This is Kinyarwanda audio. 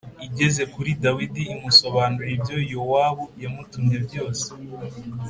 igeze kuri Dawidi imusobanurira ibyo Yowabu yamutumye byose.